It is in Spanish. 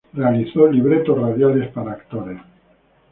Realizó libretos radiales para actores.